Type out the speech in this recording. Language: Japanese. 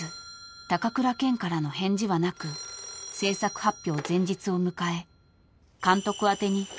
高倉健からの返事はなく製作発表前日を迎え］